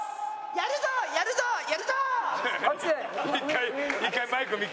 やるぞやるぞやるぞー！